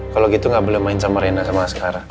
kalo gitu gak boleh main sama rena sama askara